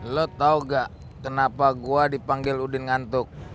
lu tau nggak kenapa gua dipanggil udin ngantuk